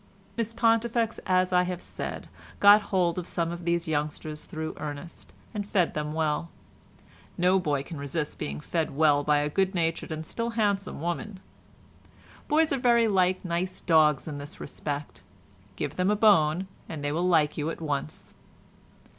Miss Pontifex, as I have said, got hold of some of these youngsters through Ernest, and fed them well. No boy can resist being fed well by a good natured and still handsome woman. Boys are very like nice dogs in this respect—give them a bone and they will like you at once.